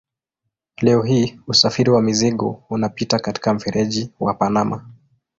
Leo hii usafiri wa mizigo unapita katika mfereji wa Panama.